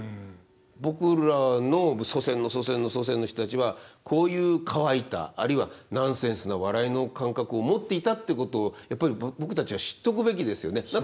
僕らの祖先の祖先の祖先の人たちはこういう乾いたあるいはナンセンスな笑いの感覚を持っていたってことやっぱり僕たちは知っとくべきですよね。